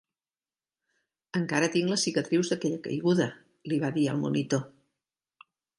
"Encara tinc les cicatrius d'aquella caiguda", li va dir al monitor.